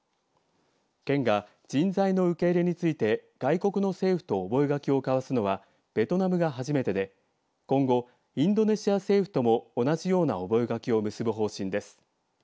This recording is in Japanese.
県が人材の受け入れについて外国の政府と覚書を交わすのはベトナムが初めてで今後、インドネシア政府とも同じような覚書を結ぶ方針です。